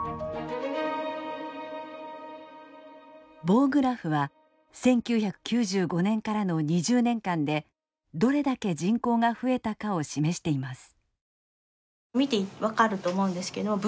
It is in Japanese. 棒グラフは１９９５年からの２０年間でどれだけ人口が増えたかを示しています。